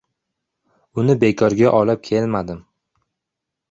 Uni bekorga olib kelmadim.